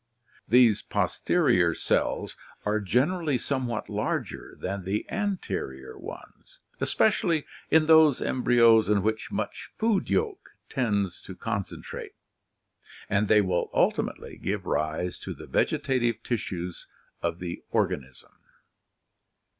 These posterior cells are generally somewhat larger than the an terior ones, especially in those embryos in which much food yolk tends to concentrate, and they will ultimately give rise to the vege tative tissues of the organism.